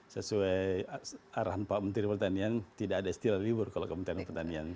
sesuai arahan pak menteri pertanian tidak ada istilah libur kalau kementerian pertanian